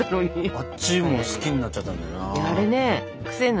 あっちも好きになっちゃったんだよな。